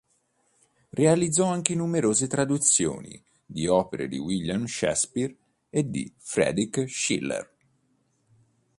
Realizzò anche numerose traduzioni di opere di William Shakespeare e di Friedrich Schiller.